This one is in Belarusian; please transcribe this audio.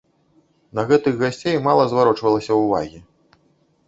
На гэтых гасцей мала зварочвалася ўвагі.